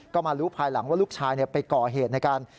ก็มารู้ภายหลังว่าลูกชายไปก่อเหตุในการ